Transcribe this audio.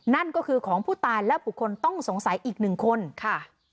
นั่นก็คือของผู้ตายและบุคคลต้องสงสัยอีกหนึ่งคนค่ะ